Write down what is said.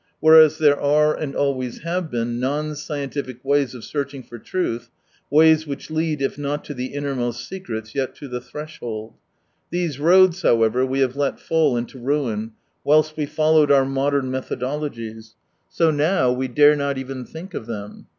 Whereas there are, and always have been, non scientific ways of searching for truth, ways which lead, if not to the innermost secrets, yet to the threshold. These roads, however, we have let fall into ruin whilst we followed our modern methodologies, so now we dare not even think of them.